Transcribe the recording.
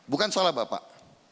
bukan salah pak